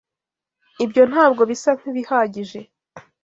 Ibyo ntabwo bisa nkibihagije.